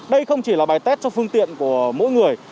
đây không chỉ là bài tét cho phương tiện của mỗi người